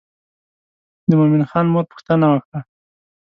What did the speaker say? د مومن خان مور پوښتنه وکړه.